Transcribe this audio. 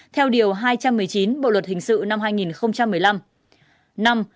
theo điều hai trăm một mươi chín bộ luật hình sự năm hai nghìn một mươi năm